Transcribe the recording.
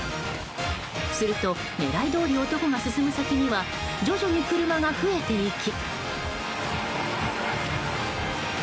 すると、狙いどおり男が進む先には徐々に車が増えていき。